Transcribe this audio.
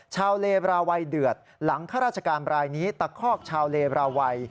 ชาวเลบราวัยเดือดหลังข้าราชการบรายนี้ตะคอกชาวเลบราวัย